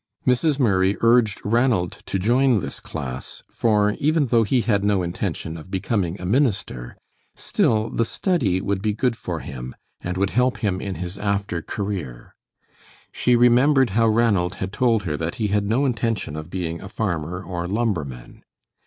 Mrs. Murray urged Ranald to join this class, for, even though he had no intention of becoming a minister, still the study would be good for him, and would help him in his after career. She remembered how Ranald had told her that he had no intention of being a farmer or lumberman.